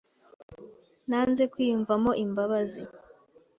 Nanze kwiyumvamo imbabazi.